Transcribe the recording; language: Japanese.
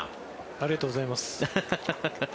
ありがとうございます。